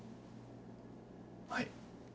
はい。